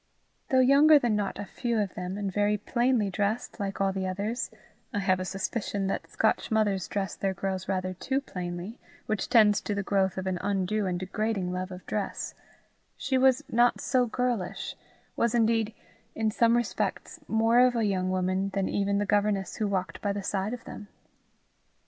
Though younger than not a few of them, and very plainly dressed, like all the others I have a suspicion that Scotch mothers dress their girls rather too plainly, which tends to the growth of an undue and degrading love of dress she was not so girlish, was indeed, in some respects, more of a young woman than even the governess who walked by the side of them.